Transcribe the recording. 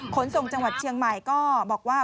ขนส่งจังหวัดเชียงใหม่ก็บอกว่า